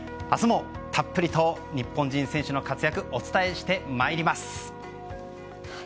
明日もたっぷりと日本人選手の活躍をお伝えしてまいります。